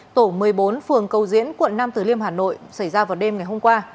tổ một mươi bốn phường cầu diễn quận năm từ liêm hà nội xảy ra vào đêm ngày hôm qua